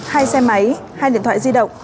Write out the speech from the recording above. hai xe máy hai điện thoại di động